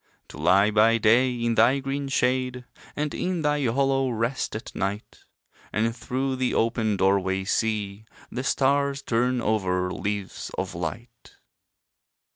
To lie by day in thy green shade, And in thy hollow rest at night; And through the open doorway see The stars turn over leaves of light.